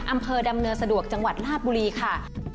อำเภอดำเนินสะดวกจังหวัดลาดบุรีค่ะ